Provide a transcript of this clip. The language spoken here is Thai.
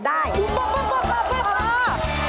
มีแต่ได้กับได้